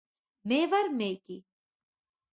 მე ვარ მეგი